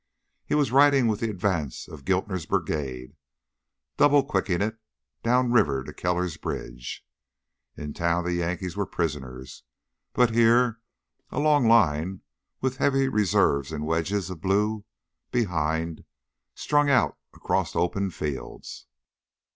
He was riding with the advance of Giltner's brigade, double quicking it downriver to Keller's Bridge. In town the Yankees were prisoners, but here a long line, with heavy reserves in wedges of blue behind, strung out across open fields.